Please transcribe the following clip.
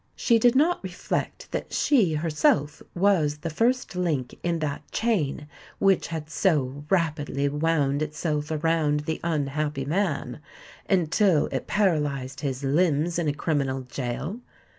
She did not reflect that she herself was the first link in that chain which had so rapidly wound itself around the unhappy man, until it paralysed his limbs in a criminal gaol.